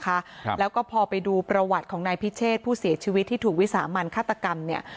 ครับแล้วก็พอไปดูประวัติของนายพิเชษผู้เสียชีวิตที่ถูกวิสามันฆาตกรรมเนี่ย